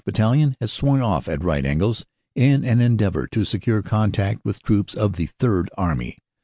Battalion had swung off at right angles in an endeavor to secure contact with troops of the Third Army.